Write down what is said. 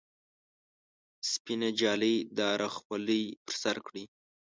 سپینه جالۍ داره خولۍ پر سر کړي.